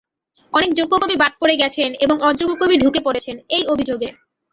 অনেক যোগ্য কবি বাদ পড়ে গেছেন এবং অযোগ্য কবি ঢুকে পড়েছেন—এই অভিযোগে।